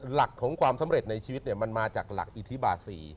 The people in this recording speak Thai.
หลักของความสำเร็จในชีวิตมันมาจากหลักอิทธิบา๔